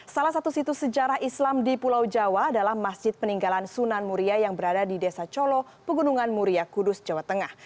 salah satu situs sejarah islam di pulau jawa adalah masjid peninggalan sunan muria yang berada di desa colo pegunungan muria kudus jawa tengah